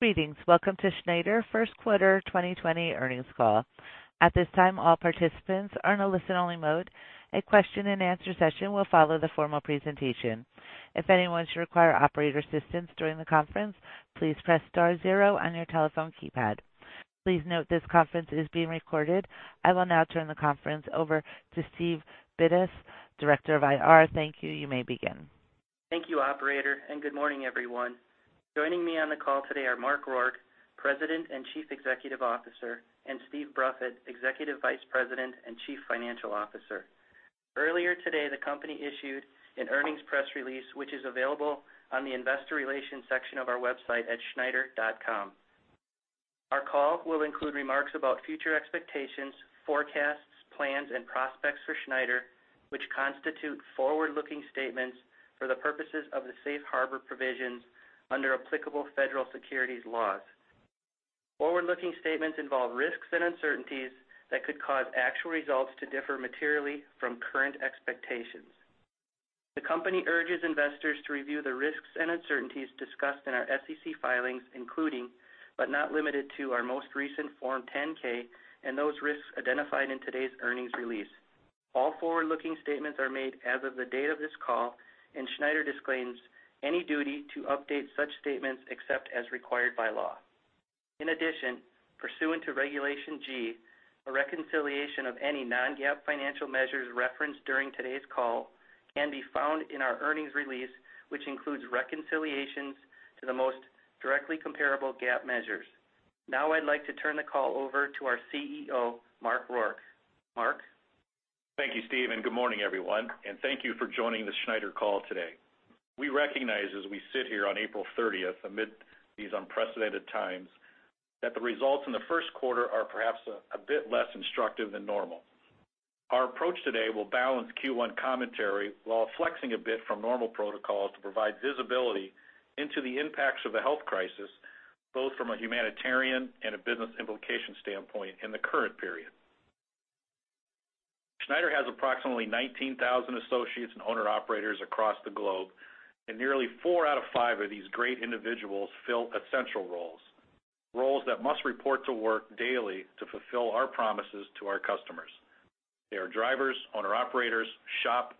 Greetings. Welcome to Schneider First Quarter 2020 Earnings Call. At this time, all participants are in a listen-only mode. A question-and-answer session will follow the formal presentation. If anyone should require operator assistance during the conference, please press star zero on your telephone keypad. Please note this conference is being recorded. I will now turn the conference over to Steve Bindas, Director of IR. Thank you. You may begin. Thank you, operator, and good morning, everyone. Joining me on the call today are Mark Rourke, President and Chief Executive Officer, and Steve Bruffett, Executive Vice President and Chief Financial Officer. Earlier today, the company issued an earnings press release, which is available on the investor relations section of our website at schneider.com. Our call will include remarks about future expectations, forecasts, plans, and prospects for Schneider, which constitute forward-looking statements for the purposes of the safe harbor provisions under applicable federal securities laws. Forward-looking statements involve risks and uncertainties that could cause actual results to differ materially from current expectations. The company urges investors to review the risks and uncertainties discussed in our SEC filings, including, but not limited to, our most recent Form 10-K and those risks identified in today's earnings release. All forward-looking statements are made as of the date of this call, and Schneider disclaims any duty to update such statements except as required by law. In addition, pursuant to Regulation G, a reconciliation of any non-GAAP financial measures referenced during today's call can be found in our earnings release, which includes reconciliations to the most directly comparable GAAP measures. Now, I'd like to turn the call over to our CEO, Mark Rourke. Mark? Thank you, Steve, and good morning, everyone, and thank you for joining the Schneider call today. We recognize as we sit here on April 30, amid these unprecedented times, that the results in the first quarter are perhaps a bit less instructive than normal. Our approach today will balance Q1 commentary while flexing a bit from normal protocols to provide visibility into the impacts of the health crisis, both from a humanitarian and a business implication standpoint in the current period. Schneider has approximately 19,000 associates and owner-operators across the globe, and nearly four out of five of these great individuals fill essential roles, roles that must report to work daily to fulfill our promises to our customers. They are drivers, owner-operators, shop,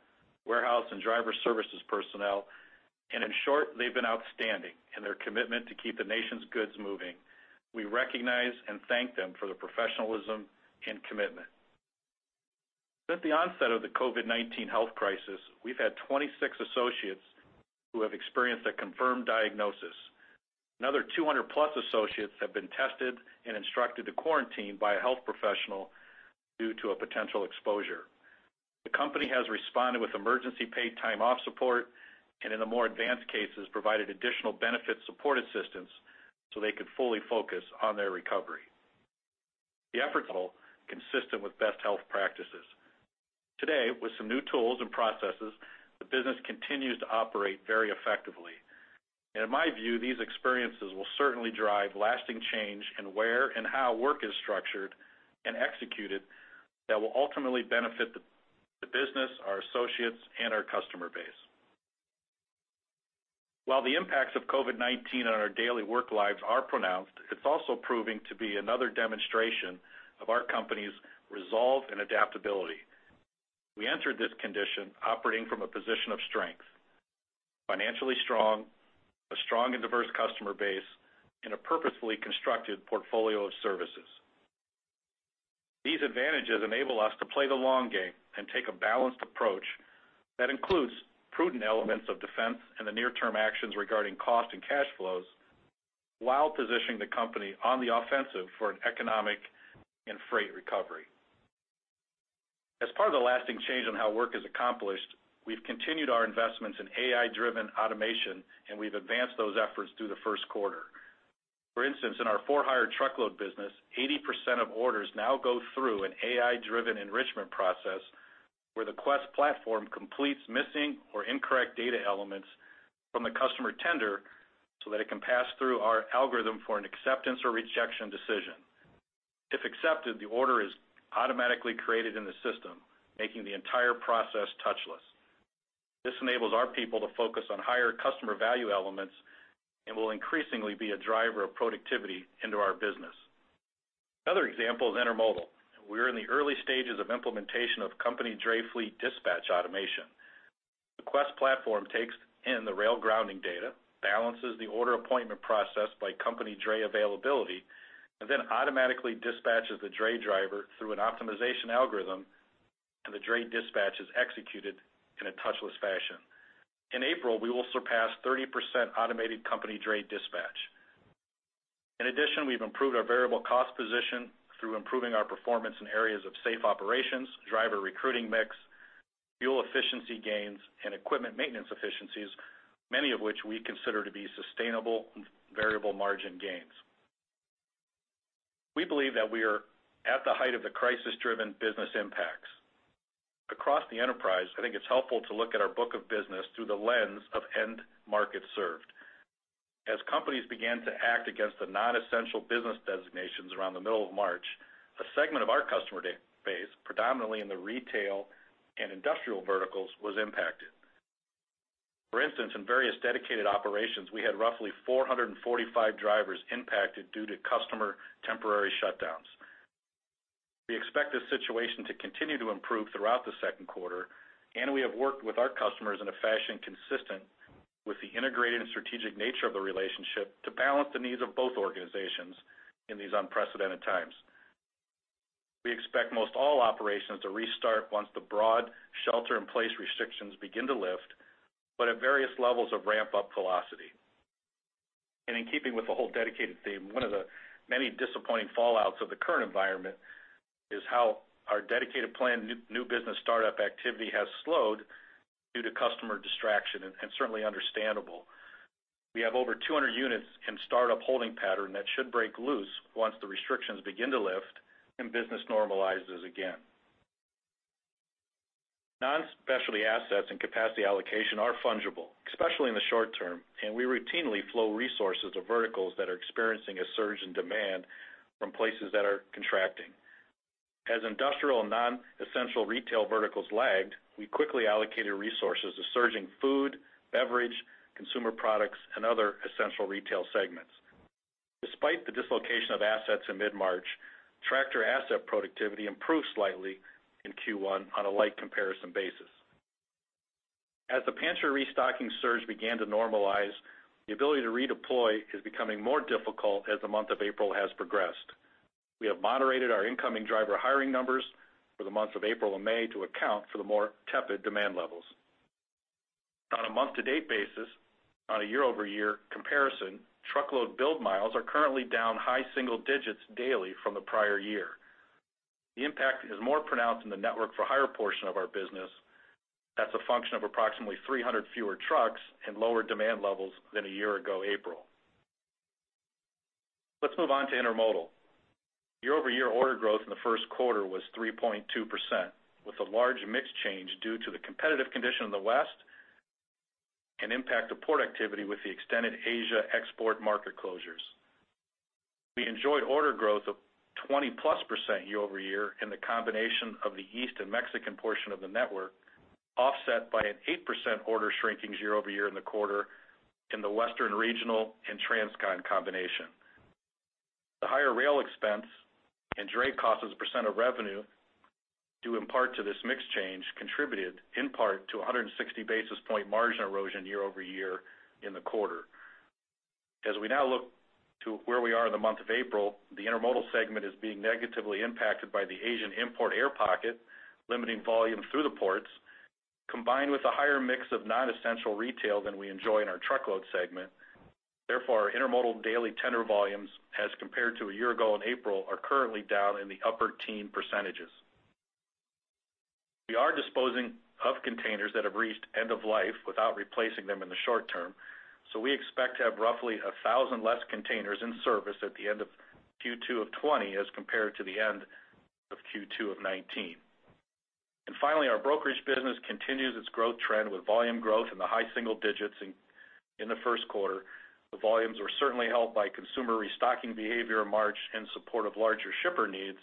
warehouse, and driver services personnel, and in short, they've been outstanding in their commitment to keep the nation's goods moving. We recognize and thank them for their professionalism and commitment. Since the onset of the COVID-19 health crisis, we've had 26 associates who have experienced a confirmed diagnosis. Another 200+ associates have been tested and instructed to quarantine by a health professional due to a potential exposure. The company has responded with emergency paid time off support, and in the more advanced cases, provided additional benefit support assistance so they could fully focus on their recovery. The efforts are all consistent with best health practices. Today, with some new tools and processes, the business continues to operate very effectively. In my view, these experiences will certainly drive lasting change in where and how work is structured and executed that will ultimately benefit the, the business, our associates, and our customer base. While the impacts of COVID-19 on our daily work lives are pronounced, it's also proving to be another demonstration of our company's resolve and adaptability. We entered this condition operating from a position of strength, financially strong, a strong and diverse customer base, and a purposefully constructed portfolio of services. These advantages enable us to play the long game and take a balanced approach that includes prudent elements of defense and the near-term actions regarding cost and cash flows, while positioning the company on the offensive for an economic and freight recovery. As part of the lasting change on how work is accomplished, we've continued our investments in AI-driven automation, and we've advanced those efforts through the first quarter. For instance, in our for-hire truckload business, 80% of orders now go through an AI-driven enrichment process, where the Quest platform completes missing or incorrect data elements from the customer tender so that it can pass through our algorithm for an acceptance or rejection decision. If accepted, the order is automatically created in the system, making the entire process touchless. This enables our people to focus on higher customer value elements and will increasingly be a driver of productivity into our business. Another example is intermodal. We're in the early stages of implementation of company dray fleet dispatch automation. The Quest platform takes in the rail grounding data, balances the order appointment process by company dray availability, and then automatically dispatches the dray driver through an optimization algorithm, and the dray dispatch is executed in a touchless fashion. In April, we will surpass 30% automated company dray dispatch. In addition, we've improved our variable cost position through improving our performance in areas of safe operations, driver recruiting mix, fuel efficiency gains, and equipment maintenance efficiencies, many of which we consider to be sustainable variable margin gains. We believe that we are at the height of the crisis-driven business impacts. Across the enterprise, I think it's helpful to look at our book of business through the lens of end market served.... As companies began to act against the non-essential business designations around the middle of March, a segment of our customer base, predominantly in the retail and industrial verticals, was impacted. For instance, in various dedicated operations, we had roughly 445 drivers impacted due to customer temporary shutdowns. We expect this situation to continue to improve throughout the second quarter, and we have worked with our customers in a fashion consistent with the integrated and strategic nature of the relationship to balance the needs of both organizations in these unprecedented times. We expect most all operations to restart once the broad shelter-in-place restrictions begin to lift, but at various levels of ramp-up velocity. In keeping with the whole Dedicated theme, one of the many disappointing fallouts of the current environment is how our Dedicated planned new business startup activity has slowed due to customer distraction, and certainly understandable. We have over 200 units in startup holding pattern that should break loose once the restrictions begin to lift and business normalizes again. Non-specialty assets and capacity allocation are fungible, especially in the short term, and we routinely flow resources to verticals that are experiencing a surge in demand from places that are contracting. As industrial and non-essential retail verticals lagged, we quickly allocated resources to surging food, beverage, consumer products, and other essential retail segments. Despite the dislocation of assets in mid-March, tractor asset productivity improved slightly in Q1 on a like comparison basis. As the pantry restocking surge began to normalize, the ability to redeploy is becoming more difficult as the month of April has progressed. We have moderated our incoming driver hiring numbers for the months of April and May to account for the more tepid demand levels. On a month-to-date basis, on a year-over-year comparison, truckload billed miles are currently down high single digits daily from the prior year. The impact is more pronounced in the network for-hire portion of our business. That's a function of approximately 300 fewer trucks and lower demand levels than a year ago, April. Let's move on to intermodal. Year-over-year order growth in the first quarter was 3.2%, with a large mix change due to the competitive condition in the West and impact of port activity with the extended Asia export market closures. We enjoyed order growth of 20+% year-over-year in the combination of the East and Mexican portion of the network, offset by an 8% order shrinking year-over-year in the quarter in the Western regional and transcon combination. The higher rail expense and dray costs as a percent of revenue, due in part to this mix change, contributed in part to 160 basis point margin erosion year-over-year in the quarter. As we now look to where we are in the month of April, the intermodal segment is being negatively impacted by the Asian import air pocket, limiting volume through the ports, combined with a higher mix of non-essential retail than we enjoy in our truckload segment. Therefore, our intermodal daily tender volumes, as compared to a year ago in April, are currently down in the upper-teen percentages. We are disposing of containers that have reached end of life without replacing them in the short term, so we expect to have roughly 1,000 less containers in service at the end of Q2 of 2020 as compared to the end of Q2 of 2019. Finally, our brokerage business continues its growth trend with volume growth in the high single digits in the first quarter. The volumes were certainly helped by consumer restocking behavior in March in support of larger shipper needs,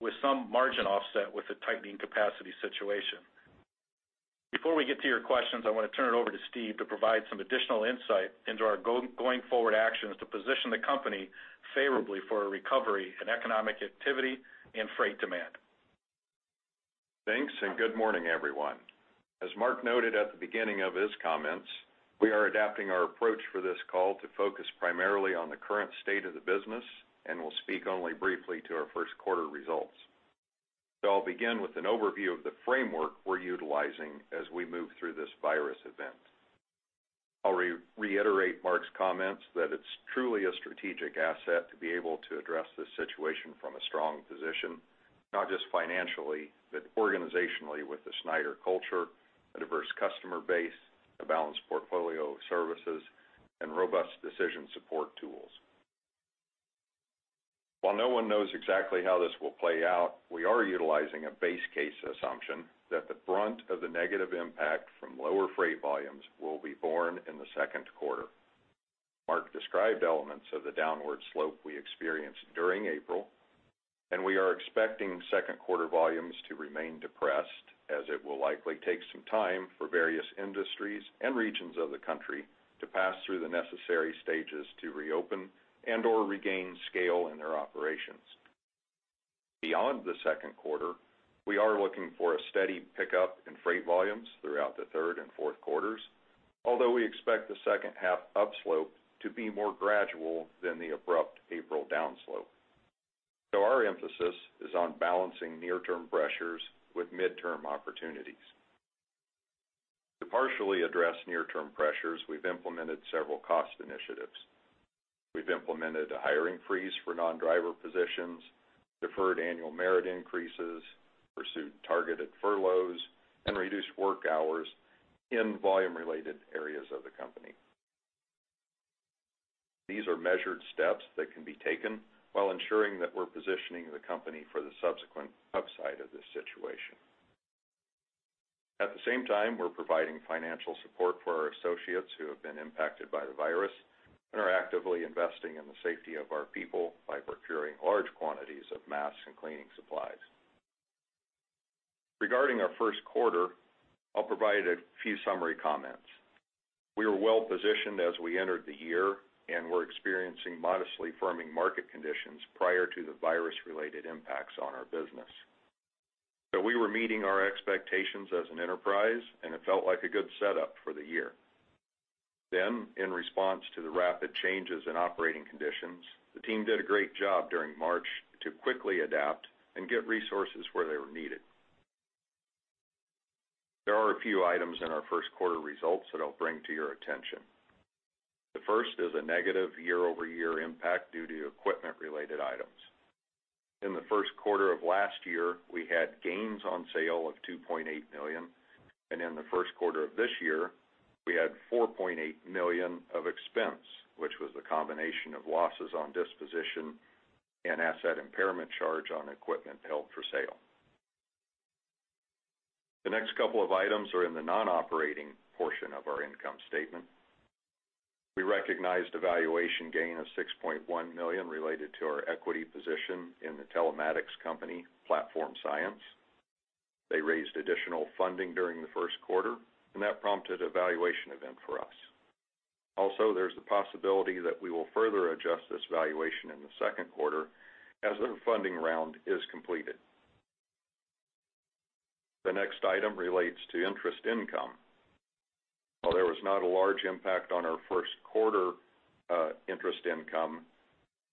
with some margin offset with the tightening capacity situation. Before we get to your questions, I want to turn it over to Steve to provide some additional insight into our going forward actions to position the company favorably for a recovery in economic activity and freight demand. Thanks, and good morning, everyone. As Mark noted at the beginning of his comments, we are adapting our approach for this call to focus primarily on the current state of the business, and we'll speak only briefly to our first quarter results. So I'll begin with an overview of the framework we're utilizing as we move through this virus event. I'll reiterate Mark's comments that it's truly a strategic asset to be able to address this situation from a strong position, not just financially, but organizationally with the Schneider culture, a diverse customer base, a balanced portfolio of services, and robust decision support tools. While no one knows exactly how this will play out, we are utilizing a base case assumption that the brunt of the negative impact from lower freight volumes will be borne in the second quarter. Mark described elements of the downward slope we experienced during April, and we are expecting second quarter volumes to remain depressed, as it will likely take some time for various industries and regions of the country to pass through the necessary stages to reopen and/or regain scale in their operations. Beyond the second quarter, we are looking for a steady pickup in freight volumes throughout the third and fourth quarters, although we expect the second half upslope to be more gradual than the abrupt April downslope. So our emphasis is on balancing near-term pressures with midterm opportunities. To partially address near-term pressures, we've implemented several cost initiatives. We've implemented a hiring freeze for non-driver positions, deferred annual merit increases, pursued targeted furloughs, and reduced work hours in volume-related areas of the company. These are measured steps that can be taken while ensuring that we're positioning the company for the subsequent upside of this situation. At the same time, we're providing financial support for our associates who have been impacted by the virus and are actively investing in the safety of our people by procuring large quantities of masks and cleaning supplies. Regarding our first quarter, I'll provide a few summary comments. We were well-positioned as we entered the year, and were experiencing modestly firming market conditions prior to the virus-related impacts on our business. So we were meeting our expectations as an enterprise, and it felt like a good setup for the year. Then, in response to the rapid changes in operating conditions, the team did a great job during March to quickly adapt and get resources where they were needed. There are a few items in our first quarter results that I'll bring to your attention. The first is a negative year-over-year impact due to equipment-related items. In the first quarter of last year, we had gains on sale of $2.8 million, and in the first quarter of this year, we had $4.8 million of expense, which was the combination of losses on disposition and asset impairment charge on equipment held for sale. The next couple of items are in the non-operating portion of our income statement. We recognized a valuation gain of $6.1 million related to our equity position in the telematics company, Platform Science. They raised additional funding during the first quarter, and that prompted a valuation event for us. Also, there's the possibility that we will further adjust this valuation in the second quarter as their funding round is completed. The next item relates to interest income. While there was not a large impact on our first quarter, interest income,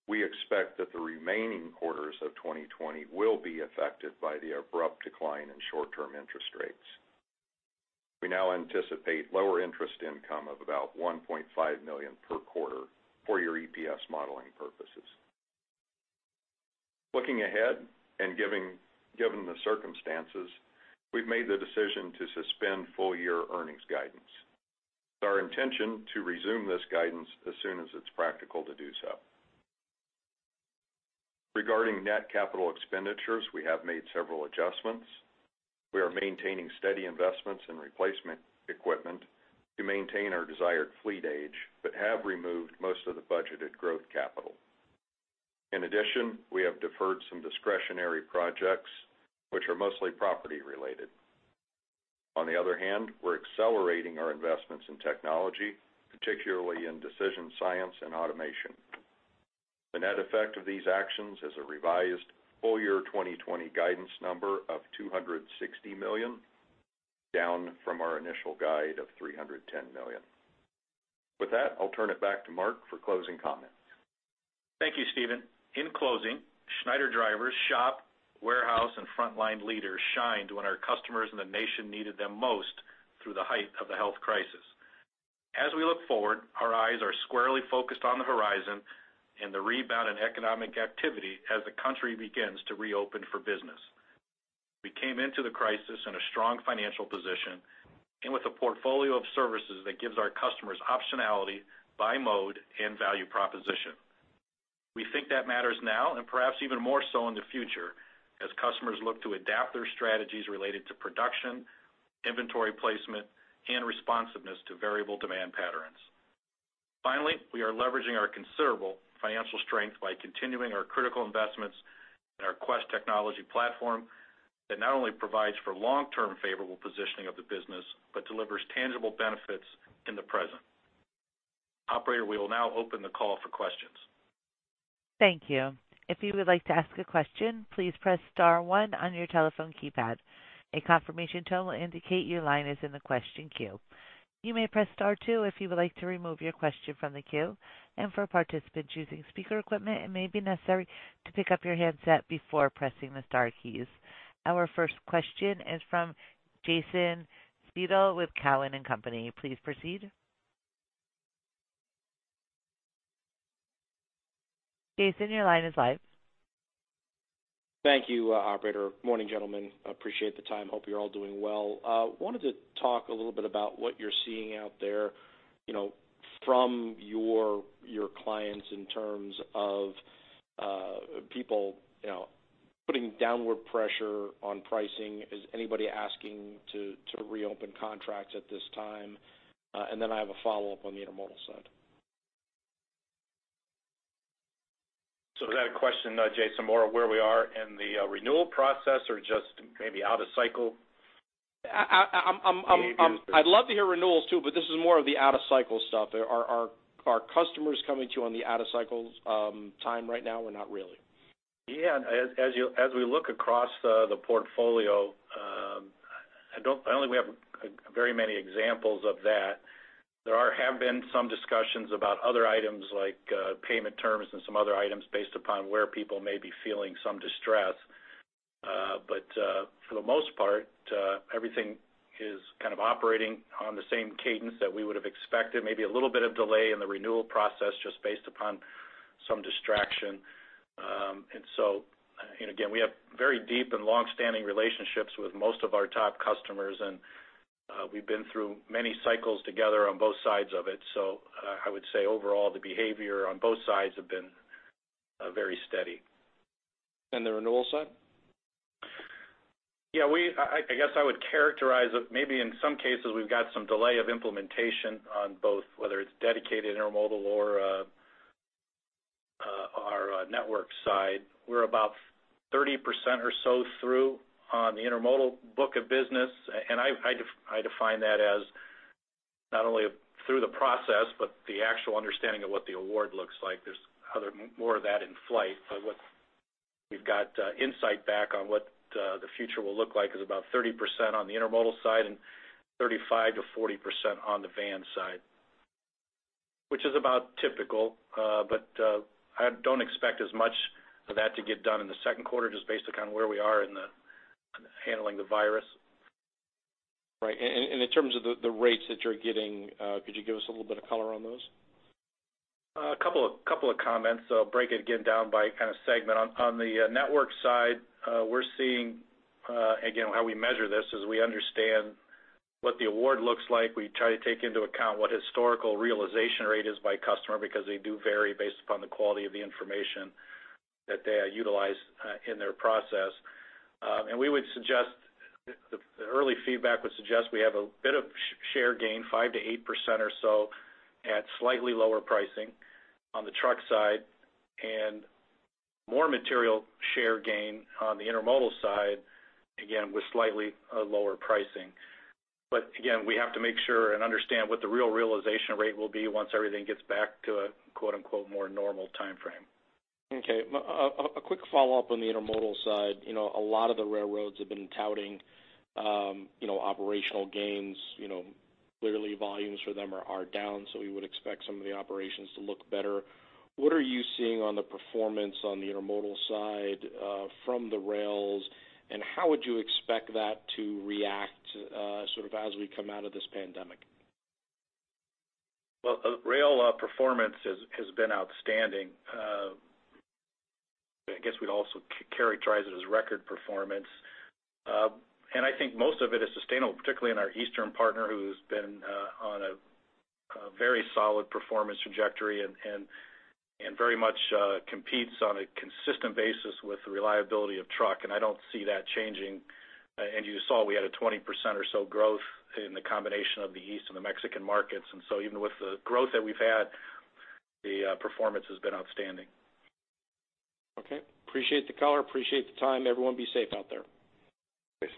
we expect that the remaining quarters of 2020 will be affected by the abrupt decline in short-term interest rates. We now anticipate lower interest income of about $1.5 million per quarter for your EPS modeling purposes. Looking ahead and given the circumstances, we've made the decision to suspend full-year earnings guidance. It's our intention to resume this guidance as soon as it's practical to do so. Regarding net capital expenditures, we have made several adjustments. We are maintaining steady investments in replacement equipment to maintain our desired fleet age, but have removed most of the budgeted growth capital. In addition, we have deferred some discretionary projects, which are mostly property-related. On the other hand, we're accelerating our investments in technology, particularly in decision science and automation. The net effect of these actions is a revised full year 2020 guidance number of $260 million, down from our initial guide of $310 million. With that, I'll turn it back to Mark for closing comments. Thank you, Steve. In closing, Schneider drivers, shop, warehouse, and frontline leaders shined when our customers and the nation needed them most through the height of the health crisis. As we look forward, our eyes are squarely focused on the horizon and the rebound in economic activity as the country begins to reopen for business. We came into the crisis in a strong financial position and with a portfolio of services that gives our customers optionality by mode and value proposition. We think that matters now and perhaps even more so in the future, as customers look to adapt their strategies related to production, inventory placement, and responsiveness to variable demand patterns. Finally, we are leveraging our considerable financial strength by continuing our critical investments in our Quest technology platform that not only provides for long-term favorable positioning of the business, but delivers tangible benefits in the present. Operator, we will now open the call for questions. Thank you. If you would like to ask a question, please press star one on your telephone keypad. A confirmation tone will indicate your line is in the question queue. You may press star two if you would like to remove your question from the queue, and for participants using speaker equipment, it may be necessary to pick up your handset before pressing the star keys. Our first question is from Jason Seidl with Cowen and Company. Please proceed. Jason, your line is live. Thank you, operator. Morning, gentlemen, appreciate the time. Hope you're all doing well. Wanted to talk a little bit about what you're seeing out there, you know, from your, your clients in terms of, people, you know, putting downward pressure on pricing. Is anybody asking to, to reopen contracts at this time? And then I have a follow-up on the intermodal side. So is that a question, Jason, more of where we are in the renewal process or just maybe out of cycle? I'm Behavior- I'd love to hear renewals too, but this is more of the out-of-cycle stuff. Are customers coming to you on the out-of-cycles time right now or not really? Yeah, as we look across the portfolio, I don't think we have very many examples of that. There have been some discussions about other items like payment terms and some other items based upon where people may be feeling some distress. But for the most part, everything is kind of operating on the same cadence that we would have expected, maybe a little bit of delay in the renewal process just based upon some distraction. And so, and again, we have very deep and long-standing relationships with most of our top customers, and we've been through many cycles together on both sides of it. So, I would say overall, the behavior on both sides have been very steady.... the renewal side? Yeah, I guess I would characterize it, maybe in some cases, we've got some delay of implementation on both, whether it's dedicated intermodal or our network side. We're about 30% or so through on the intermodal book of business, and I define that as not only through the process, but the actual understanding of what the award looks like. There's more of that in flight, but what we've got insight back on what the future will look like is about 30% on the intermodal side and 35%-40% on the van side, which is about typical. But I don't expect as much of that to get done in the second quarter, just based on kind of where we are in handling the virus. Right. And in terms of the rates that you're getting, could you give us a little bit of color on those? A couple of comments. So I'll break it again down by kind of segment. On the network side, we're seeing again, how we measure this is we understand what the award looks like. We try to take into account what historical realization rate is by customer, because they do vary based upon the quality of the information that they utilize in their process. And the early feedback would suggest we have a bit of share gain, 5%-8% or so, at slightly lower pricing on the truck side, and more material share gain on the intermodal side, again, with slightly lower pricing. But again, we have to make sure and understand what the real realization rate will be once everything gets back to a, quote, unquote, more normal timeframe. Okay. A quick follow-up on the intermodal side. You know, a lot of the railroads have been touting, you know, operational gains. You know, clearly, volumes for them are down, so we would expect some of the operations to look better. What are you seeing on the performance on the intermodal side, from the rails, and how would you expect that to react, sort of as we come out of this pandemic? Well, rail performance has been outstanding. I guess, we'd also characterize it as record performance. And I think most of it is sustainable, particularly in our eastern partner, who's been on a very solid performance trajectory and very much competes on a consistent basis with the reliability of truck, and I don't see that changing. And you saw we had a 20% or so growth in the combination of the East and the Mexican markets. And so even with the growth that we've had, the performance has been outstanding. Okay. Appreciate the color, appreciate the time. Everyone, be safe out there. Thanks.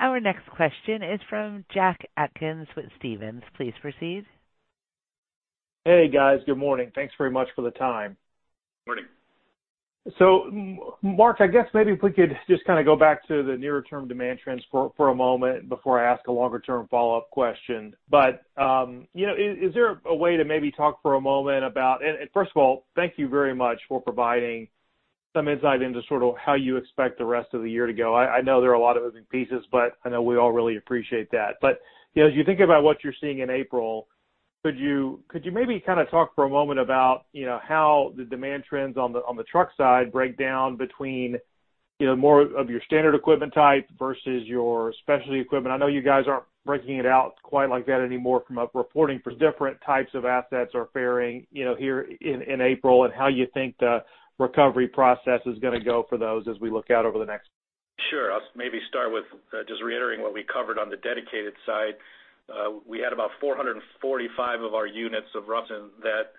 Our next question is from Jack Atkins with Stephens. Please proceed. Hey, guys. Good morning. Thanks very much for the time. Morning. So, Mark, I guess maybe if we could just kind of go back to the nearer-term demand trends for, for a moment before I ask a longer-term follow-up question. But, you know, is, is there a way to maybe talk for a moment about... And, and first of all, thank you very much for providing some insight into sort of how you expect the rest of the year to go. I, I know there are a lot of moving pieces, but I know we all really appreciate that. But, you know, as you think about what you're seeing in April, could you, could you maybe kind of talk for a moment about, you know, how the demand trends on the, on the truck side break down between, you know, more of your standard equipment type versus your specialty equipment? I know you guys aren't breaking it out quite like that anymore from a reporting perspective, but maybe just kind of generally, how the different types of assets are faring, you know, here in April, and how you think the recovery process is going to go for those as we look out over the next several months? Sure. I'll maybe start with just reiterating what we covered on the dedicated side. We had about 445 of our assets that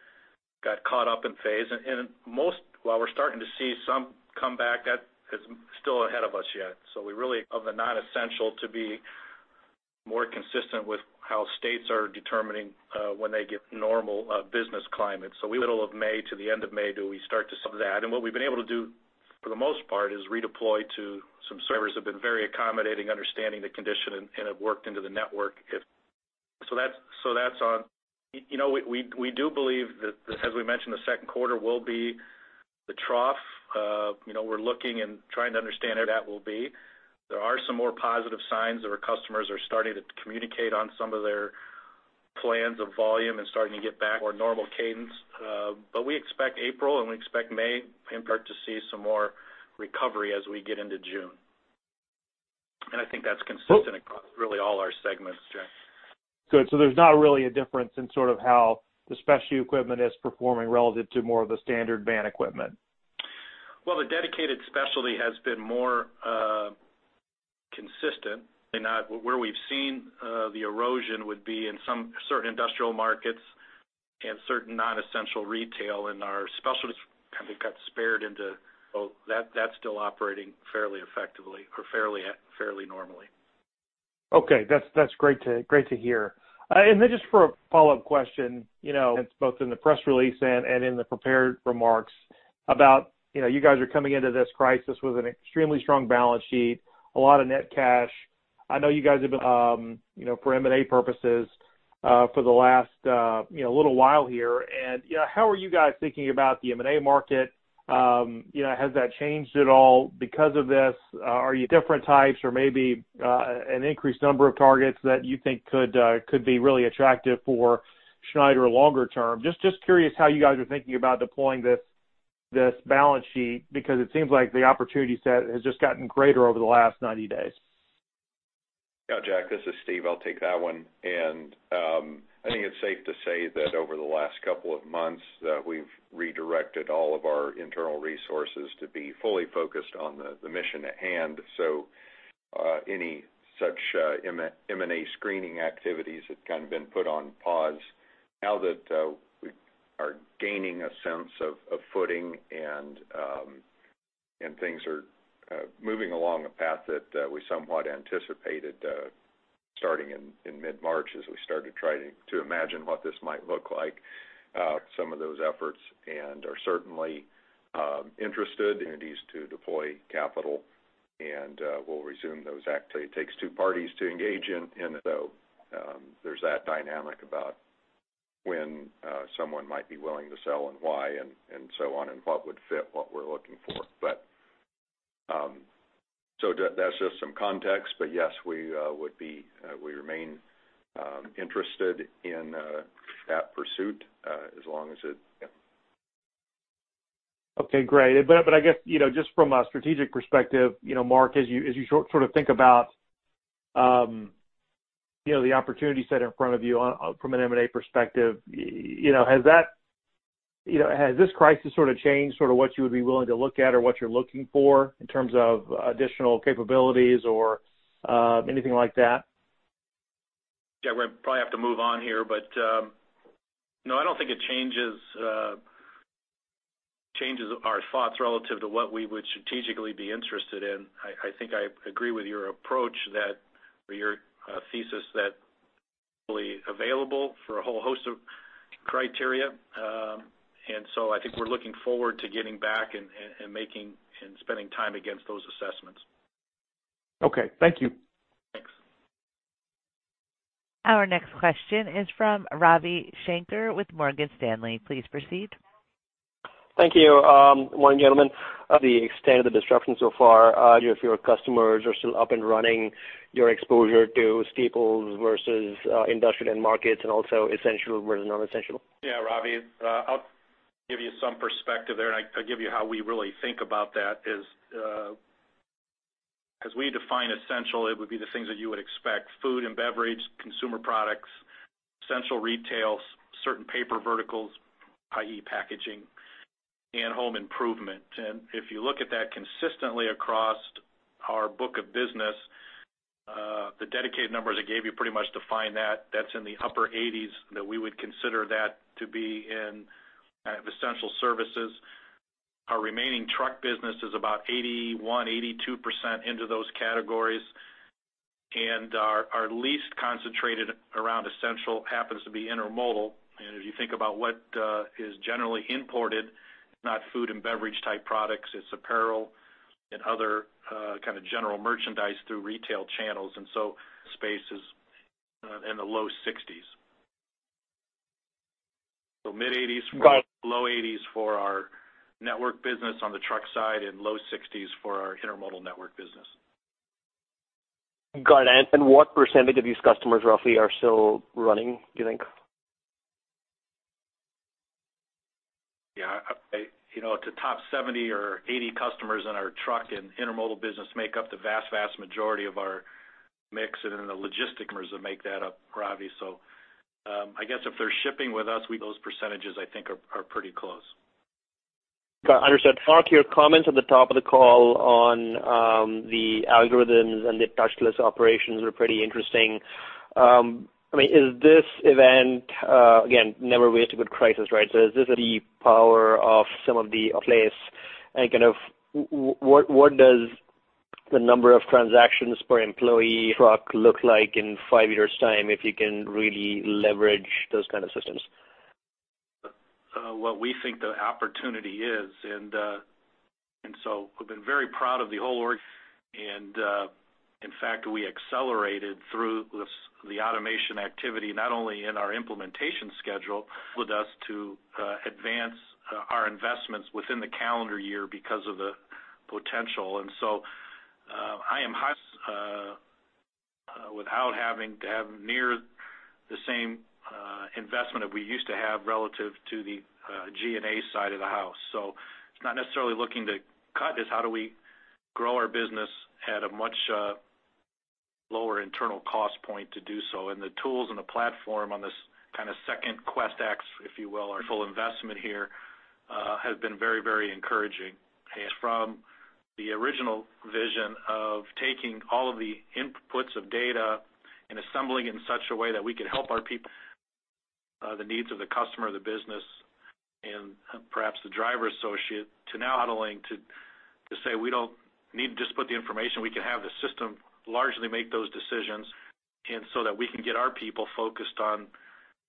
got caught up in phase. And most, while we're starting to see some come back, that is still ahead of us yet. So we really, of the non-essential to be more consistent with how states are determining when they get normal business climate. So until the middle of May to the end of May do we start to see some of that. And what we've been able to do, for the most part, is redeploy to some shippers have been very accommodating, understanding the conditions, and have worked into the network if... So that's, so that's on. You know, we do believe that, as we mentioned, the second quarter will be the trough. You know, we're looking and trying to understand where that will be. There are some more positive signs that our customers are starting to communicate on some of their plans of volume and starting to get back to more normal cadence. But we expect April, and we expect May, in part, to see some more recovery as we get into June. And I think that's consistent across really all our segments, Jack. Good. So there's not really a difference in sort of how the specialty equipment is performing relative to more of the standard van equipment? Well, the dedicated specialty has been more consistent. And now, where we've seen the erosion would be in some certain industrial markets and certain non-essential retail, and our specialty kind of got spared into that, that's still operating fairly effectively or fairly, fairly normally. Okay. That's great to hear. And then just for a follow-up question, you know, it's both in the press release and in the prepared remarks about, you know, you guys are coming into this crisis with an extremely strong balance sheet, a lot of net cash. I know you guys have been, you know, for M&A purposes, for the last, you know, little while here. And, you know, how are you guys thinking about the M&A market? You know, has that changed at all because of this? Are you looking at different types or maybe, an increased number of targets that you think could be really attractive for Schneider longer term? Just curious how you guys are thinking about deploying this balance sheet, because it seems like the opportunity set has just gotten greater over the last 90 days.... Yeah, Jack, this is Steve. I'll take that one. And, I think it's safe to say that over the last couple of months, that we've redirected all of our internal resources to be fully focused on the mission at hand. So, any such M&A screening activities have kind of been put on pause. Now that we are gaining a sense of footing and things are moving along a path that we somewhat anticipated starting in mid-March, as we started trying to imagine what this might look like, some of those efforts and are certainly interested in these to deploy capital, and we'll resume those act- It takes two parties to engage in, and so there's that dynamic about when someone might be willing to sell and why, and so on, and what would fit what we're looking for. But so that's just some context, but yes, we would be we remain interested in that pursuit as long as it- Okay, great. But I guess, you know, just from a strategic perspective, you know, Mark, as you sort of think about, you know, the opportunity set in front of you from an M&A perspective, you know, has this crisis sort of changed sort of what you would be willing to look at or what you're looking for in terms of additional capabilities or, anything like that? Yeah, we're probably have to move on here, but, no, I don't think it changes, changes our thoughts relative to what we would strategically be interested in. I, I think I agree with your approach that, or your, thesis that fully available for a whole host of criteria. And so I think we're looking forward to getting back and, and, and making and spending time against those assessments. Okay. Thank you. Thanks. Our next question is from Ravi Shanker with Morgan Stanley. Please proceed. Thank you. Morning, gentlemen. Of the extent of the disruption so far, if your customers are still up and running, your exposure to staples versus, industrial end markets, and also essential versus non-essential? Yeah, Ravi, I'll give you some perspective there, and I'll give you how we really think about that is, as we define essential, it would be the things that you would expect, food and beverage, consumer products, essential retails, certain paper verticals, i.e., packaging and home improvement. And if you look at that consistently across our book of business, the dedicated numbers I gave you pretty much define that. That's in the upper 80s that we would consider that to be in essential services. Our remaining truck business is about 81%-82% into those categories, and our least concentrated around essential happens to be intermodal. And if you think about what is generally imported, not food and beverage type products, it's apparel and other kind of general merchandise through retail channels, and so it's in the low 60s. So mid-80s Got it. Low 80s for our network business on the truck side, and low 60s for our Intermodal network business. Got it. And what percentage of these customers, roughly, are still running, do you think? Yeah, I, you know, the top 70 or 80 customers in our truck and intermodal business make up the vast, vast majority of our mix, and then the logistics customers that make that up, Ravi. So, I guess if they're shipping with us, we those percentages, I think, are pretty close. Got it. Understood. Mark, your comments at the top of the call on the algorithms and the touchless operations are pretty interesting. I mean, is this event, again, never waste a good crisis, right? So is this the power of some of the place, and kind of what does the number of transactions per employee truck look like in five years' time, if you can really leverage those kind of systems? What we think the opportunity is, and so we've been very proud of the whole organization and, in fact, we accelerated through this the automation activity, not only in our implementation schedule, with us to advance our investments within the calendar year because of the potential. And so, I am high without having to have near the same investment that we used to have relative to the G&A side of the house. So it's not necessarily looking to cut this. How do we grow our business at a much lower internal cost point to do so? And the tools and the platform on this kind of second Quest, if you will, our full investment here has been very, very encouraging. And from the original vision of taking all of the inputs of data and assembling in such a way that we can help our people, the needs of the customer, the business, and perhaps the driver associate, to now modeling to, to say, we don't need to just put the information, we can have the system largely make those decisions, and so that we can get our people focused on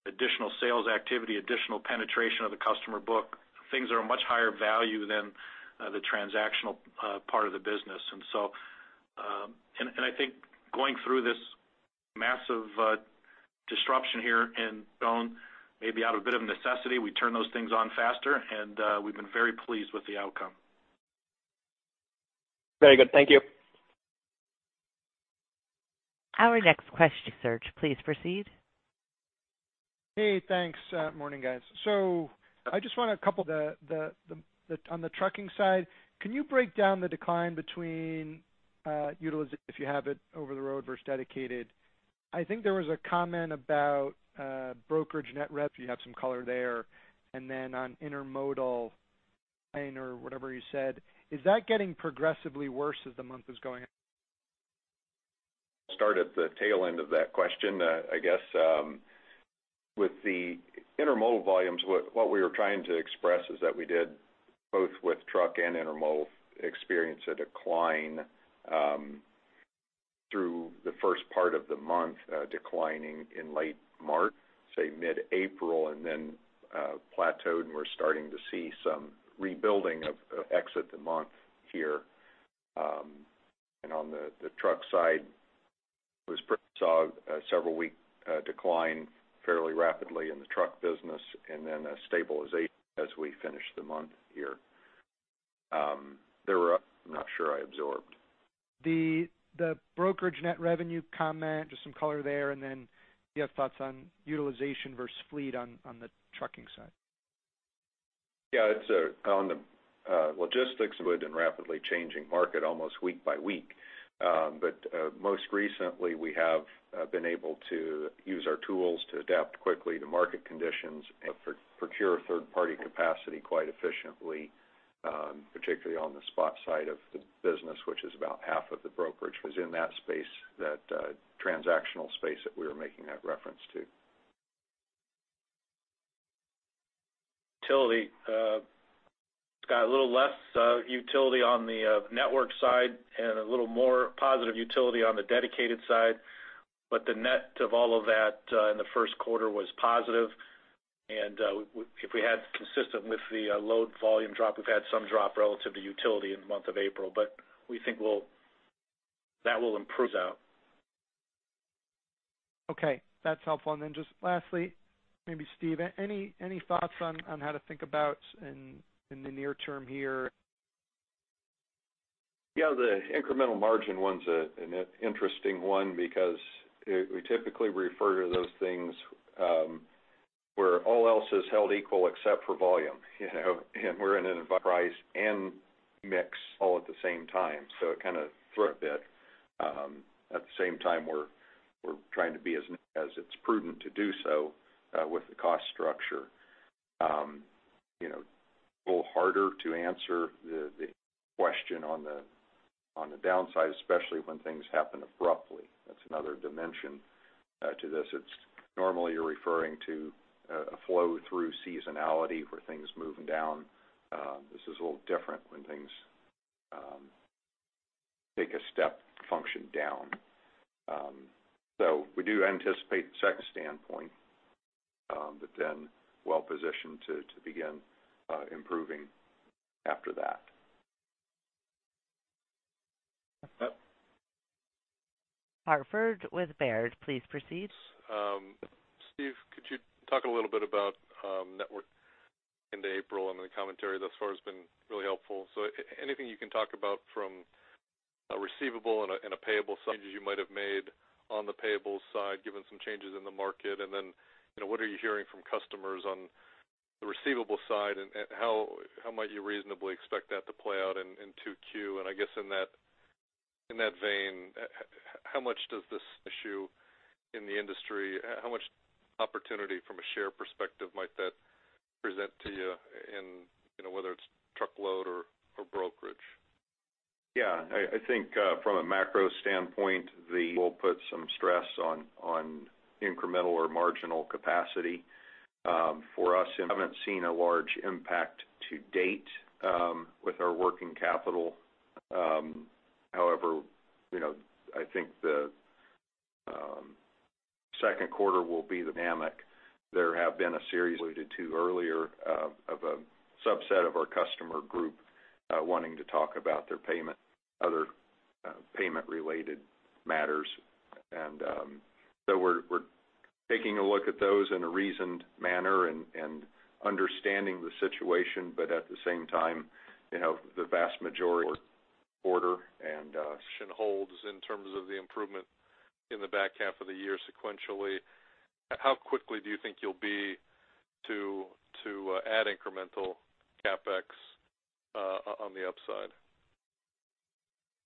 additional sales activity, additional penetration of the customer book. Things are of much higher value than the transactional part of the business. And so, and I think going through this massive disruption here and going, maybe out of a bit of necessity, we turn those things on faster, and we've been very pleased with the outcome. Very good. Thank you. Our next question. Please proceed.... Hey, thanks. Morning, guys. So I just want a couple on the trucking side, can you break down the decline between utilization, if you have it, over the road versus dedicated? I think there was a comment about brokerage net rev, if you have some color there. And then on intermodal or whatever you said, is that getting progressively worse as the month is going? Start at the tail end of that question. I guess with the intermodal volumes, what we were trying to express is that we did, both with truck and intermodal, experience a decline through the first part of the month, declining in late March, say mid-April, and then plateaued, and we're starting to see some rebuilding of exit the month here. And on the truck side, we saw a several-week decline fairly rapidly in the truck business, and then a stabilization as we finish the month here. There were. I'm not sure I absorbed. The brokerage net revenue comment, just some color there, and then if you have thoughts on utilization versus fleet on the trucking side. Yeah, it's on the logistics of it, and rapidly changing market almost week-by-week. But most recently, we have been able to use our tools to adapt quickly to market conditions and procure third-party capacity quite efficiently, particularly on the spot side of the business, which is about half of the brokerage was in that space, that transactional space that we were making that reference to. Utility, it's got a little less utility on the network side and a little more positive utility on the Dedicated side. But the net of all of that in the first quarter was positive. And if we had consistent with the load volume drop, we've had some drop relative to utility in the month of April, but we think we'll—that will improve out. Okay, that's helpful. And then just lastly, maybe Steve, any thoughts on how to think about in the near term here? Yeah, the incremental margin one's an interesting one because we typically refer to those things where all else is held equal except for volume, you know, and we're in a price and mix all at the same time, so it kind of threw a bit. At the same time, we're trying to be as it's prudent to do so with the cost structure. You know, a little harder to answer the question on the downside, especially when things happen abruptly. That's another dimension to this. It's normally you're referring to a flow through seasonality where things moving down. This is a little different when things take a step function down. So we do anticipate, [inaudible] but then well positioned to begin improving after that. Ben Hartford with Baird, please proceed. Steve, could you talk a little bit about network into April? And the commentary thus far has been really helpful. So anything you can talk about from a receivable and payable changes you might have made on the payable side, given some changes in the market? And then, you know, what are you hearing from customers on the receivable side, and how might you reasonably expect that to play out in 2Q? And I guess in that vein, how much does this issue in the industry, how much opportunity from a share perspective might that present to you in, you know, whether it's truckload or brokerage? Yeah, I think from a macro standpoint, we'll put some stress on incremental or marginal capacity. For us, haven't seen a large impact to date with our working capital. However, you know, I think the second quarter will be the dynamic. There have been a series related to earlier of a subset of our customer group wanting to talk about their payment, other payment-related matters. And so we're taking a look at those in a reasoned manner and understanding the situation, but at the same time, you know, the vast majority order and holds in terms of the improvement in the back half of the year sequentially, how quickly do you think you'll be to add incremental CAPEX on the upside?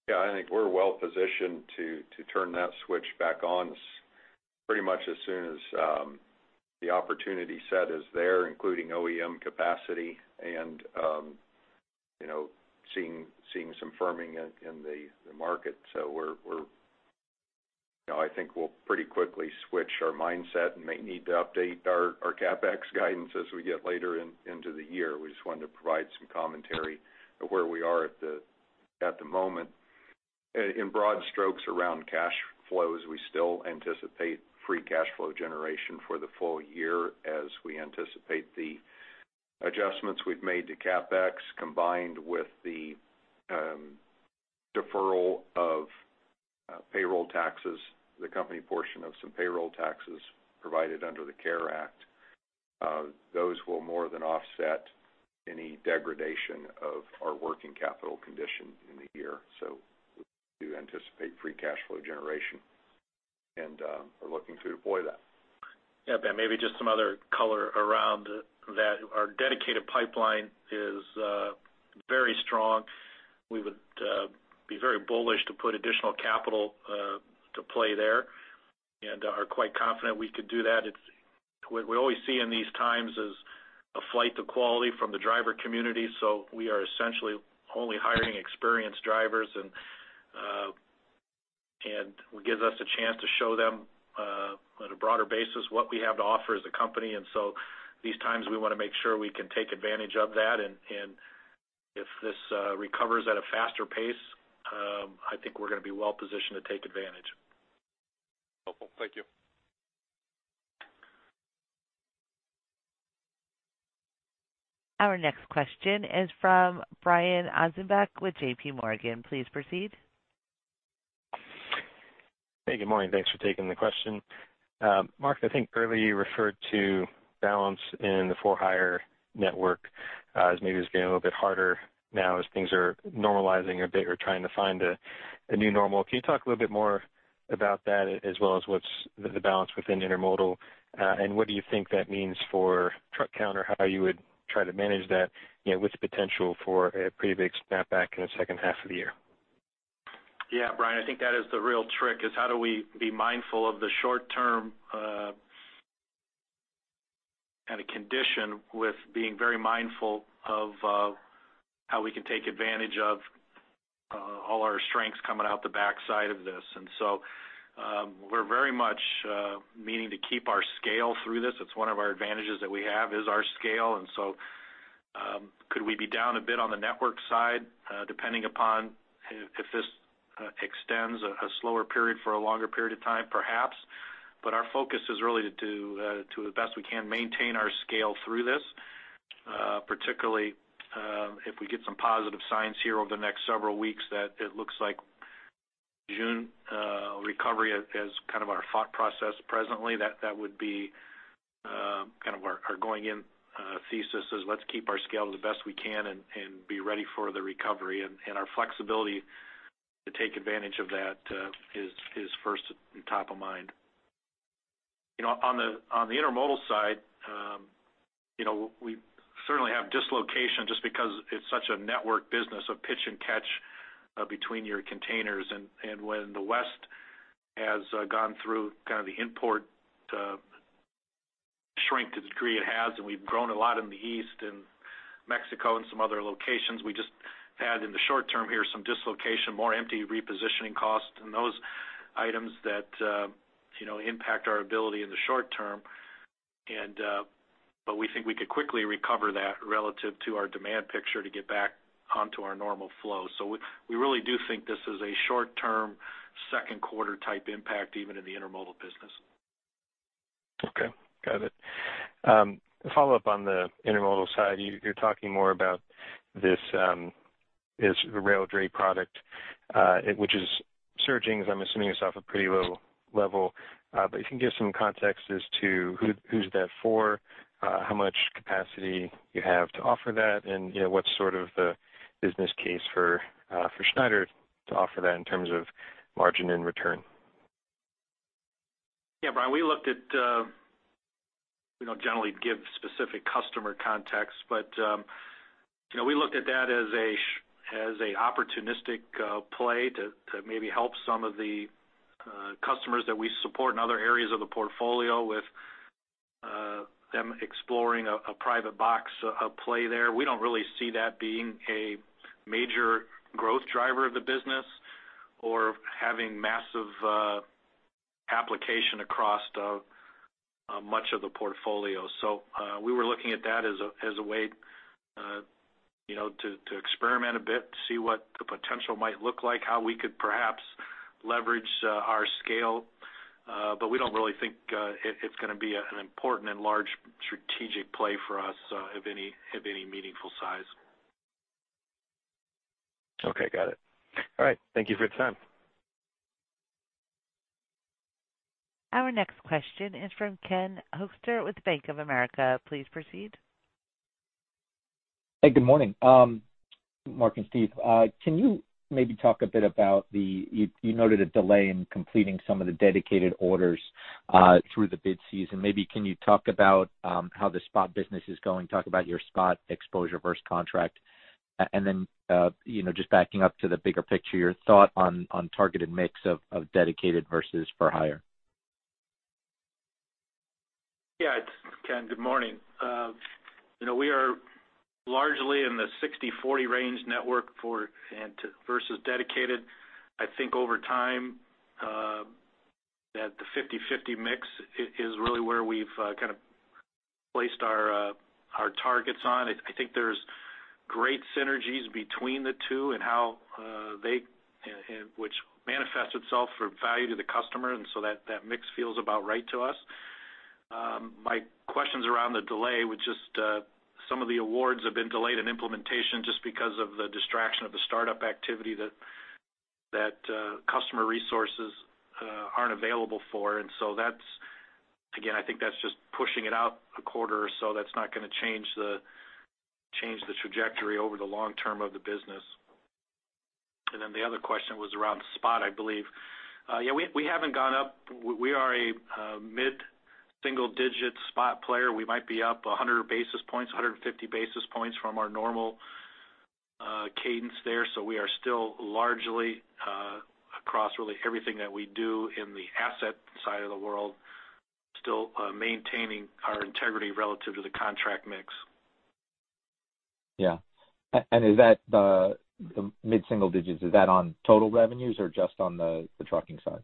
Yeah, I think we're well positioned to turn that switch back on pretty much as soon as the opportunity set is there, including OEM capacity and you know, seeing some firming in the market. So we're you know, I think we'll pretty quickly switch our mindset and may need to update our CAPEX guidance as we get later into the year. We just wanted to provide some commentary on where we are at the moment. In broad strokes around cash flows, we still anticipate free cash flow generation for the full year as we anticipate the adjustments we've made to CAPEX, combined with the deferral of payroll taxes, the company portion of some payroll taxes provided under the CARES Act.... those will more than offset any degradation of our working capital condition in the year. So we do anticipate free cash flow generation, and, we're looking to deploy that. Yeah, Ben, maybe just some other color around that. Our dedicated pipeline is very strong. We would be very bullish to put additional capital to play there, and are quite confident we could do that. What we always see in these times is a flight to quality from the driver community, so we are essentially only hiring experienced drivers, and it gives us a chance to show them, on a broader basis, what we have to offer as a company. And so these times, we want to make sure we can take advantage of that. And if this recovers at a faster pace, I think we're going to be well positioned to take advantage. Helpful. Thank you. Our next question is from Brian Ossenbeck with JPMorgan. Please proceed. Hey, good morning. Thanks for taking the question. Mark, I think earlier, you referred to balance in the for-hire network as maybe it's getting a little bit harder now as things are normalizing a bit or trying to find a new normal. Can you talk a little bit more about that, as well as what's the balance within intermodal? And what do you think that means for truck count, or how you would try to manage that, you know, with the potential for a pretty big snapback in the second half of the year? Yeah, Brian, I think that is the real trick, is how do we be mindful of the short term kind of condition, with being very mindful of how we can take advantage of all our strengths coming out the backside of this. And so, we're very much meaning to keep our scale through this. It's one of our advantages that we have, is our scale. And so, could we be down a bit on the network side, depending upon if this extends a slower period for a longer period of time? Perhaps. But our focus is really to the best we can maintain our scale through this, particularly if we get some positive signs here over the next several weeks, that it looks like June recovery as kind of our thought process presently, that would be kind of our going-in thesis: let's keep our scale the best we can and be ready for the recovery. And our flexibility to take advantage of that is first and top of mind. You know, on the intermodal side, you know, we certainly have dislocation just because it's such a network business of pitch and catch between your containers. And when the West has gone through kind of the import shrink to the degree it has, and we've grown a lot in the East and Mexico and some other locations, we just had, in the short term here, some dislocation, more empty repositioning costs, and those items that, you know, impact our ability in the short term. But we think we could quickly recover that relative to our demand picture to get back onto our normal flow. So we really do think this is a short-term, second quarter type impact, even in the Intermodal business. Okay, got it. A follow-up on the intermodal side. You're talking more about this rail dray product, which is surging, as I'm assuming it's off a pretty low level. But if you can give some context as to who's that for, how much capacity you have to offer that, and, you know, what's sort of the business case for Schneider to offer that in terms of margin and return? Yeah, Brian, we looked at, we don't generally give specific customer context, but, you know, we looked at that as a as a opportunistic play to, to maybe help some of the customers that we support in other areas of the portfolio, with them exploring a, a private box play there. We don't really see that being a major growth driver of the business or having massive application across the much of the portfolio. So, we were looking at that as a, as a way, you know, to, to experiment a bit, to see what the potential might look like, how we could perhaps leverage our scale. But we don't really think, it, it's going to be an important and large strategic play for us, of any, of any meaningful size. Okay, got it. All right. Thank you for your time. Our next question is from Ken Hoexter with Bank of America. Please proceed. Hey, good morning. Mark and Steve, can you maybe talk a bit about the you noted a delay in completing some of the dedicated orders through the bid season. Maybe can you talk about how the spot business is going? Talk about your spot exposure versus contract. And then, you know, just backing up to the bigger picture, your thought on targeted mix of dedicated versus for-hire. Yeah, Ken, good morning. You know, we are largely in the 60/40 range network for-hire and versus dedicated. I think over time, that the 50/50 mix is really where we've kind of placed our targets on. I think there's great synergies between the two and how they which manifests itself for value to the customer, and so that mix feels about right to us. My questions around the delay, which is, some of the awards have been delayed in implementation just because of the distraction of the startup activity that customer resources aren't available for, and so that's, again, I think that's just pushing it out a quarter or so. That's not gonna change the trajectory over the long term of the business. And then the other question was around the spot, I believe. Yeah, we haven't gone up. We are a mid-single digit spot player. We might be up 100 basis points, 150 basis points from our normal, cadence there. So we are still largely, across really everything that we do in the asset side of the world, still, maintaining our integrity relative to the contract mix. Yeah. And is that the mid-single digits on total revenues or just on the trucking side?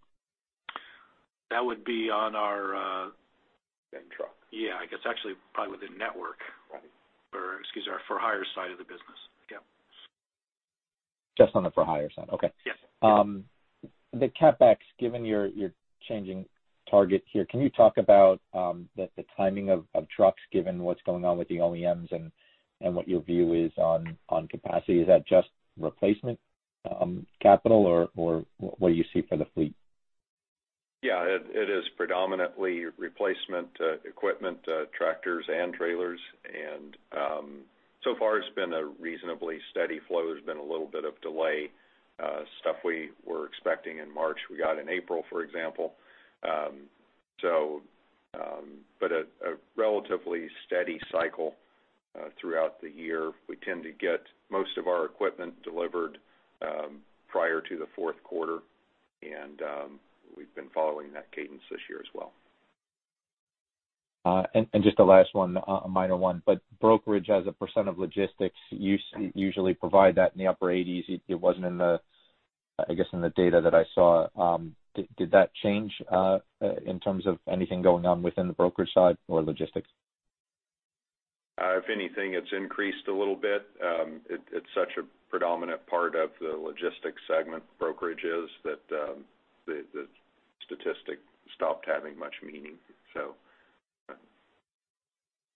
That would be on our, In truck. Yeah, I guess actually, probably within network. Right. Or, excuse me, our for-hire side of the business. Yep. Just on the for-hire side. Okay. Yes. The CAPEX, given your changing targets here, can you talk about the timing of trucks, given what's going on with the OEMs and what your view is on capacity? Is that just replacement capital, or what do you see for the fleet? Yeah, it is predominantly replacement equipment, tractors and trailers, and so far it's been a reasonably steady flow. There's been a little bit of delay, stuff we were expecting in March. We got in April, for example. So, but a relatively steady cycle throughout the year. We tend to get most of our equipment delivered prior to the fourth quarter, and we've been following that cadence this year as well. And just the last one, a minor one, but brokerage as a percentage of logistics, you usually provide that in the upper 80s. It wasn't in the data that I saw, I guess. Did that change in terms of anything going on within the brokerage side or logistics? If anything, it's increased a little bit. It's such a predominant part of the logistics segment brokerages that the statistic stopped having much meaning. So,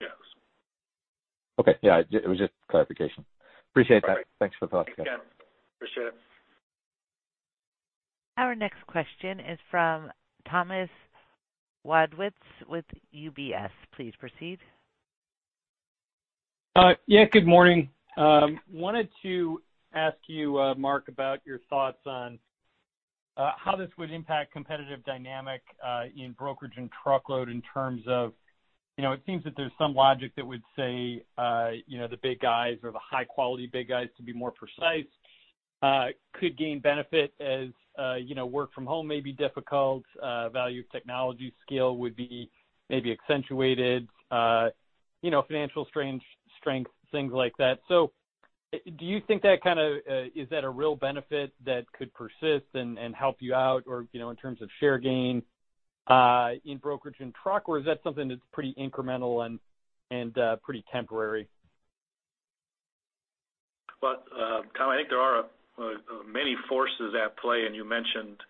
yes. Okay. Yeah, it was just clarification. Appreciate that. All right. Thanks for the thoughts. Yeah. Appreciate it. Our next question is from Thomas Wadewitz with UBS. Please proceed. Yeah, good morning. Wanted to ask you, Mark, about your thoughts on how this would impact competitive dynamic in brokerage and truckload in terms of, you know, it seems that there's some logic that would say, you know, the big guys or the high quality big guys, to be more precise, could gain benefit as, you know, work from home may be difficult, value of technology skill would be maybe accentuated, you know, financial strength, strength, things like that. So do you think that kind of is that a real benefit that could persist and help you out, or, you know, in terms of share gain in brokerage and truck, or is that something that's pretty incremental and pretty temporary? Well, Tom, I think there are many forces at play, and you mentioned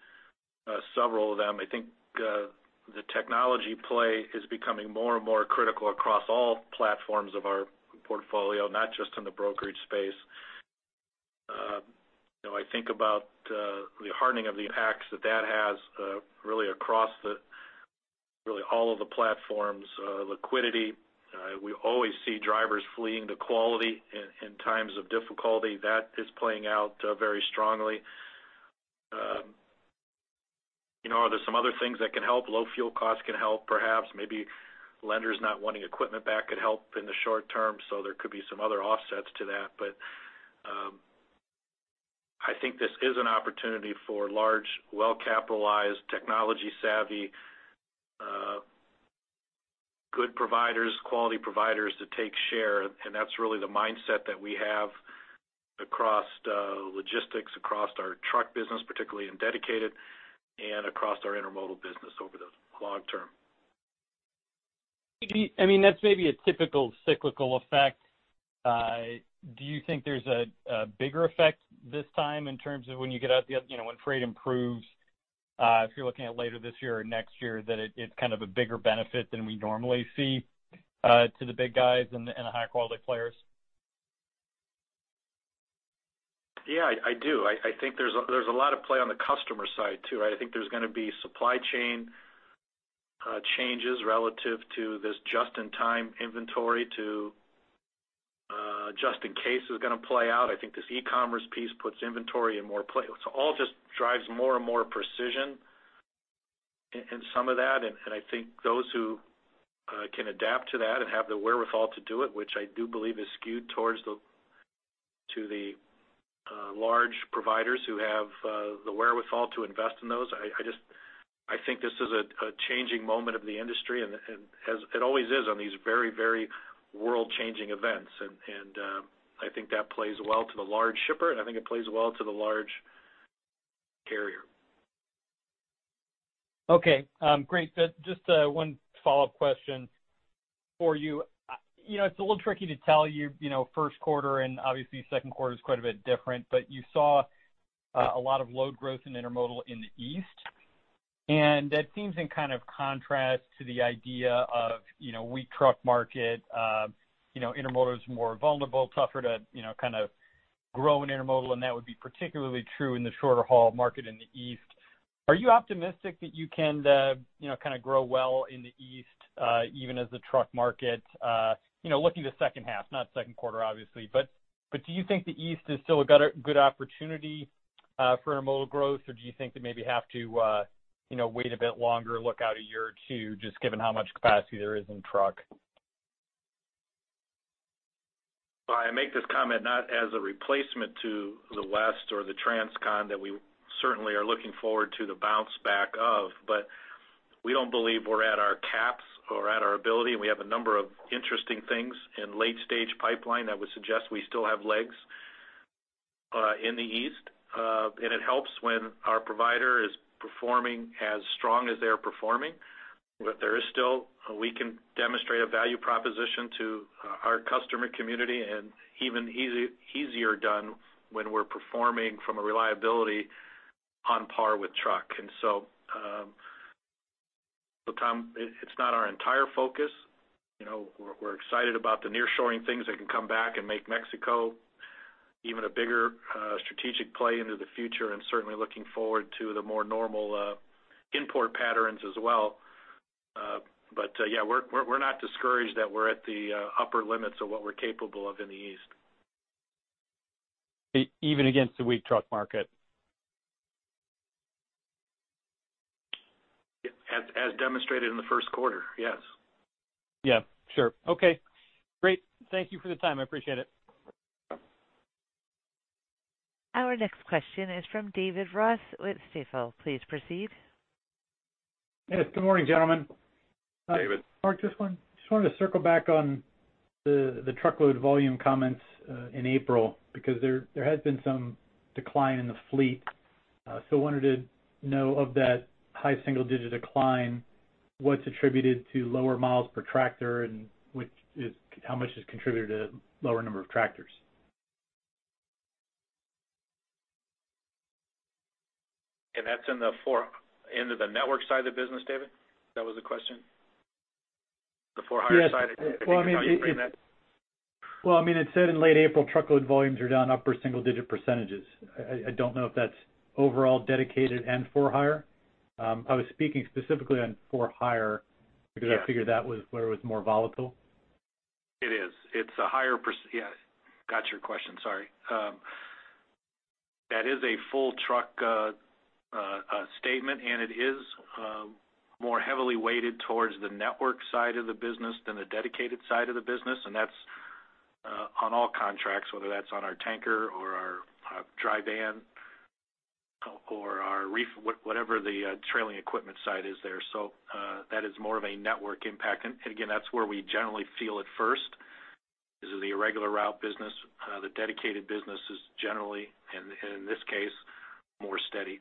several of them. I think the technology play is becoming more and more critical across all platforms of our portfolio, not just in the brokerage space. You know, I think about the hardening of the P&C, that that has really across the, really all of the platforms, liquidity. We always see drivers fleeing to quality in times of difficulty. That is playing out very strongly. You know, there's some other things that can help. Low fuel costs can help, perhaps. Maybe lenders not wanting equipment back could help in the short term, so there could be some other offsets to that. But, I think this is an opportunity for large, well-capitalized, technology-savvy, good providers, quality providers to take share, and that's really the mindset that we have across logistics, across our truck business, particularly in Dedicated, and across our Intermodal business over the long term. I mean, that's maybe a typical cyclical effect. Do you think there's a bigger effect this time in terms of when you get out the other-- you know, when freight improves, if you're looking at later this year or next year, that it, it's kind of a bigger benefit than we normally see, to the big guys and the, and the high-quality players? Yeah, I do. I think there's a lot of play on the customer side, too, right? I think there's gonna be supply chain changes relative to this just-in-time inventory to just in case is gonna play out. I think this e-commerce piece puts inventory in more play. So all just drives more and more precision in some of that, and I think those who can adapt to that and have the wherewithal to do it, which I do believe is skewed towards the large providers who have the wherewithal to invest in those. I just think this is a changing moment of the industry, and as it always is on these very, very world-changing events. I think that plays well to the large shipper, and I think it plays well to the large carrier. Okay, great. Just, one follow-up question for you. You know, it's a little tricky to tell, you, you know, first quarter, and obviously second quarter is quite a bit different, but you saw, a lot of load growth in intermodal in the East... And that seems in kind of contrast to the idea of, you know, weak truck market, you know, intermodal is more vulnerable, tougher to, you know, kind of grow in intermodal, and that would be particularly true in the shorter haul market in the East. Are you optimistic that you can, you know, kind of grow well in the East, even as the truck market, you know, looking to second half, not second quarter, obviously. But do you think the East is still a good opportunity, for intermodal growth? Or do you think they maybe have to, you know, wait a bit longer, look out a year or two, just given how much capacity there is in truck? Well, I make this comment not as a replacement to the West or the transcon that we certainly are looking forward to the bounce back of, but we don't believe we're at our caps or at our ability, and we have a number of interesting things in late stage pipeline that would suggest we still have legs in the East. And it helps when our provider is performing as strong as they are performing. But there is still we can demonstrate a value proposition to our customer community, and even easier done when we're performing from a reliability on par with truck. And so, Tom, it's not our entire focus. You know, we're excited about the nearshoring things that can come back and make Mexico even a bigger strategic play into the future, and certainly looking forward to the more normal import patterns as well. But yeah, we're not discouraged that we're at the upper limits of what we're capable of in the East. Even against the weak truck market? Yep, as demonstrated in the first quarter, yes. Yeah, sure. Okay, great. Thank you for the time. I appreciate it. Our next question is from David Ross with Stifel. Please proceed. Yes, good morning, gentlemen. David. Mark, this one. Just wanted to circle back on the truckload volume comments in April, because there has been some decline in the fleet. So wanted to know of that high single digit decline, what's attributed to lower miles per tractor, and which is, how much is contributed to lower number of tractors? That's into the network side of the business, David? That was the question, the for-hire side? Yes. Well, I mean, how you frame that? Well, I mean, it said in late April, truckload volumes are down upper single-digit percentages. I don't know if that's overall dedicated and for hire. I was speaking specifically on for hire- Yeah - because I figured that was where it was more volatile. It is. It's a higher percentage, yeah, got your question, sorry. That is a full truckload statement, and it is more heavily weighted towards the network side of the business than the dedicated side of the business, and that's on all contracts, whether that's on our tanker or our dry van or our reefer, whatever the trailing equipment side is there. So, that is more of a network impact. And again, that's where we generally feel it first, is the irregular route business. The dedicated business is generally, and in this case, more steady.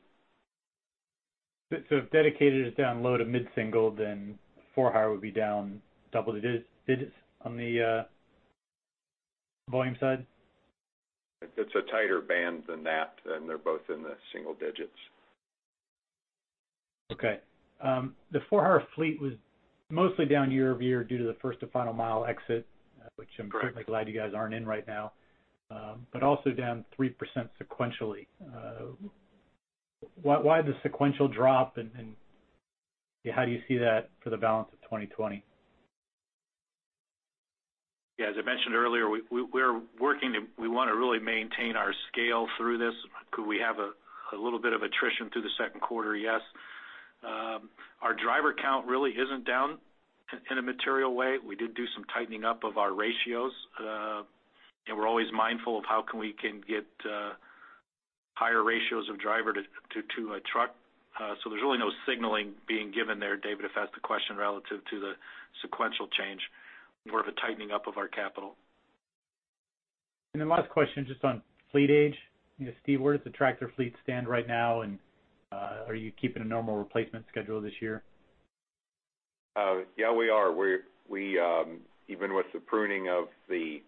If dedicated is down low to mid-single, then for hire would be down double digits on the volume side? It's a tighter band than that, and they're both in the single digits. Okay. The for-hire fleet was mostly down year-over-year due to the First to Final Mile exit- Correct - which I'm certainly glad you guys aren't in right now, but also down 3% sequentially. Why the sequential drop, and how do you see that for the balance of 2020? Yeah, as I mentioned earlier, we're working to... We want to really maintain our scale through this. Could we have a little bit of attrition through the second quarter? Yes. Our driver count really isn't down in a material way. We did do some tightening up of our ratios, and we're always mindful of how we can get higher ratios of driver to a truck. So there's really no signaling being given there, David, if that's the question relative to the sequential change, more of a tightening up of our capital. Last question, just on fleet age. You know, Steve, where does the tractor fleet stand right now? Are you keeping a normal replacement schedule this year? Yeah, we are. We're even with the pruning of the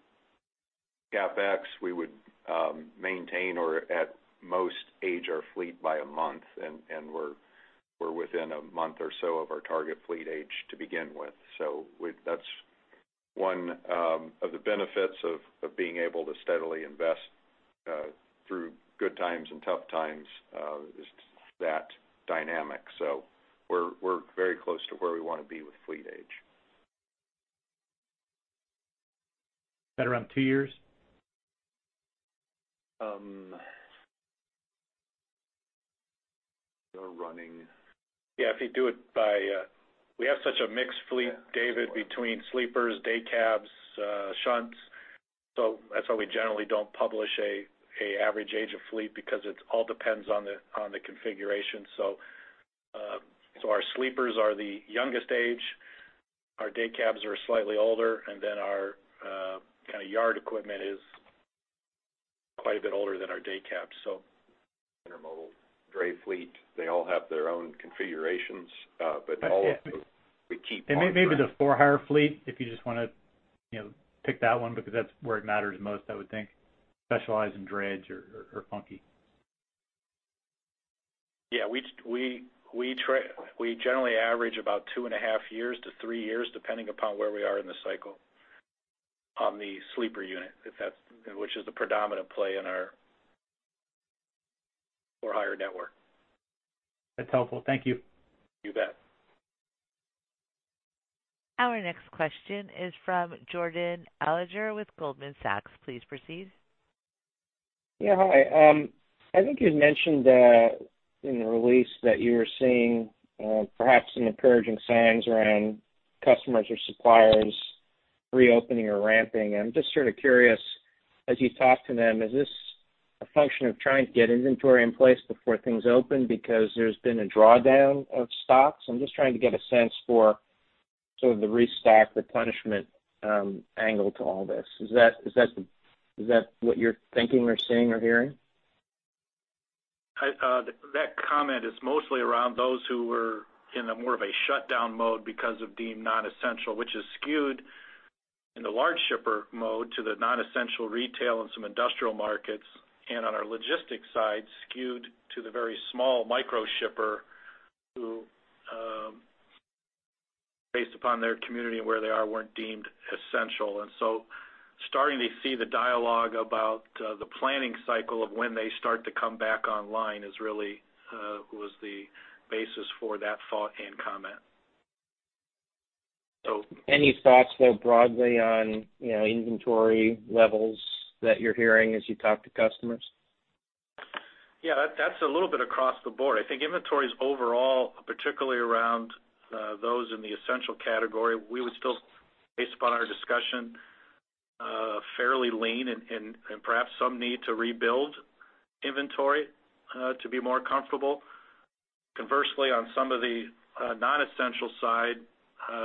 CAPEX, we would maintain or at most age our fleet by a month, and we're within a month or so of our target fleet age to begin with. So that's one of the benefits of being able to steadily invest through good times and tough times is that dynamic. So we're very close to where we want to be with fleet age. At around two years? We're running- Yeah, if you do it by... We have such a mixed fleet, David, between sleepers, day cabs, shunts. So that's why we generally don't publish an average age of fleet, because it all depends on the configuration. So our sleepers are the youngest age, our day cabs are slightly older, and then our kind of yard equipment is quite a bit older than our day cabs, so. Intermodal, dray fleet, they all have their own configurations, but all of them, we keep our- Maybe the for-hire fleet, if you just want to, you know, pick that one because that's where it matters most, I would think, specialize in drayage or. [inaudible] Yeah, we generally average about 2.5-3 years, depending upon where we are in the cycle on the sleeper unit, if that's, which is the predominant play in our or higher network. That's helpful. Thank you. You bet. Our next question is from Jordan Alliger with Goldman Sachs. Please proceed. Yeah, hi. I think you'd mentioned in the release that you were seeing perhaps some encouraging signs around customers or suppliers reopening or ramping. I'm just sort of curious, as you talk to them, is this a function of trying to get inventory in place before things open because there's been a drawdown of stocks? I'm just trying to get a sense for sort of the restock, the punishment, angle to all this. Is that, is that what you're thinking or seeing or hearing? That comment is mostly around those who were in a more of a shutdown mode because of deemed non-essential, which is skewed in the large shipper mode to the non-essential retail and some industrial markets, and on our logistics side, skewed to the very small micro shipper, who, based upon their community and where they are, weren't deemed essential. And so starting to see the dialogue about the planning cycle of when they start to come back online is really was the basis for that thought and comment. Any thoughts more broadly on, you know, inventory levels that you're hearing as you talk to customers? Yeah, that's a little bit across the board. I think inventories overall, particularly around those in the essential category, we would still, based upon our discussion, fairly lean and perhaps some need to rebuild inventory to be more comfortable. Conversely, on some of the non-essential side,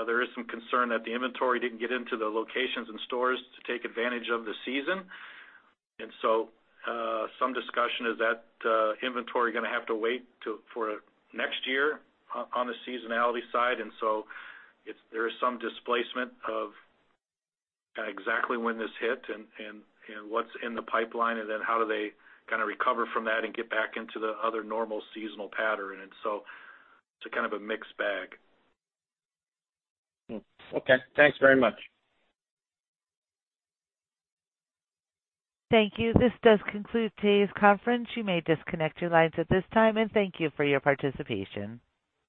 there is some concern that the inventory didn't get into the locations and stores to take advantage of the season. And so, some discussion is that inventory going to have to wait for next year on the seasonality side. And so there is some displacement of exactly when this hit and what's in the pipeline, and then how do they kind of recover from that and get back into the other normal seasonal pattern? And so it's a kind of a mixed bag. Hmm. Okay, thanks very much. Thank you. This does conclude today's conference. You may disconnect your lines at this time, and thank you for your participation.